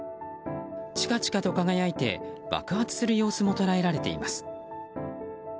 ちかちかと輝いて爆発する様子も捉えられています。